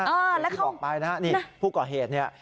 อ่าแล้วเขาออกไปนะนี่ผู้ก่อเหตุเนี่ย